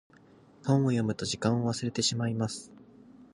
本を読むと時間を忘れてしまいます。